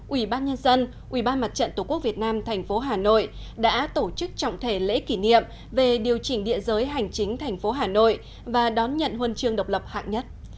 ubnd ubnd tqvnhh đã tổ chức trọng thể lễ kỷ niệm về điều chỉnh địa giới hành chính thành phố hà nội và đón nhận huân chương độc lập hạng nhất